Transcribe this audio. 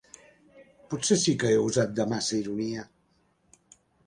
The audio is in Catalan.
-Potser sí que he usat de massa ironia…